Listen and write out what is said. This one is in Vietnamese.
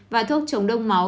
và thuốc chống đông máu